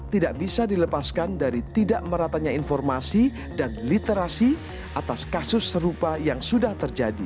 tidak bisa dilepaskan dari tidak meratanya informasi dan literasi atas kasus serupa yang sudah terjadi